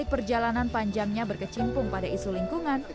perjalanan panjangnya berkecimpung pada isu lingkungan